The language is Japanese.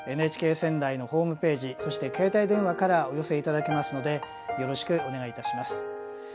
ＮＨＫ仙台のホームページそして携帯電話からお寄せいただけますのでよろしくお願いいたします。